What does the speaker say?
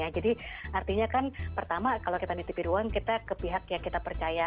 jadi artinya kan pertama kalau kita menitipkan uang kita ke pihak yang kita percaya